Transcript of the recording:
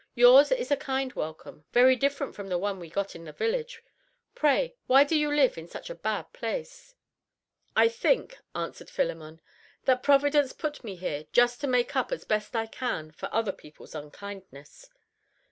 "Yours is a kind welcome, very different from the one we got in the village; pray why do you live in such a bad place?" "I think," answered Philemon, "that Providence put me here just to make up as best I can for other people's unkindness."